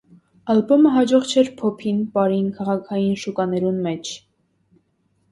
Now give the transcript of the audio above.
Ալպոմը յաջող չէր փօփին, պարին, քաղաքային շուկաներուն մէջ։